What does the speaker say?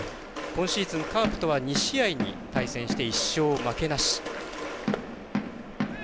今シーズン、カープとは２試合に対戦して１勝負けなし。